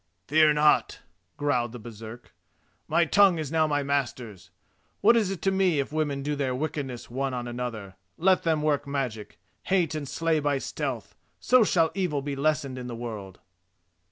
"Fear not," growled the Baresark, "my tongue is now my master's. What is it to me if women do their wickedness one on another? Let them work magic, hate and slay by stealth, so shall evil be lessened in the world."